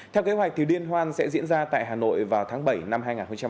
theo kế hoạch liên hoan sẽ diễn ra tại hà nội vào tháng bảy năm hai nghìn hai mươi